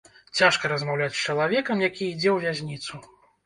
Цяжка размаўляць з чалавекам, які ідзе ў вязніцу.